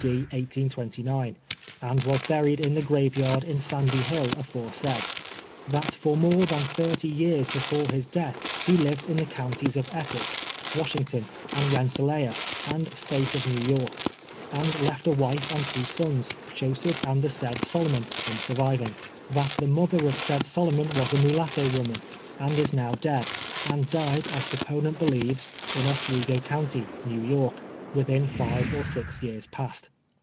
D. 1829, and was buried in the grave yard in Sandy Hill aforesaid ; that for more than thirty years before his death he lived in the counties of Essex, Wash ington and Rensselaer and State of New York, and left a wife and two sons, Joseph and the said Solomon, him surviving ; that the mother of said Solomon was a mulatto woman, and is now dead, and died, as deponent believes, in Oswego county, New York, within five or sLx years past.